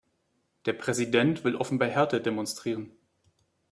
Der Präsident will offenbar Härte demonstrieren.